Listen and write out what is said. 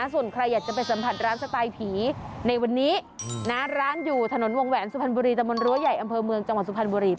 ส่วนใครอยากจะไปสัมผัสร้านสไตล์ผีในวันนี้นะร้านอยู่ถนนวงแหวนสุพรรณบุรีตะมนตรั้วใหญ่อำเภอเมืองจังหวัดสุพรรณบุรี